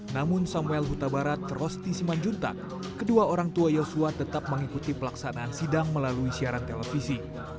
namun samuel huta barat rosti simanjuntak kedua orang tua yosua tetap mengikuti pelaksanaan sidang melalui siaran televisi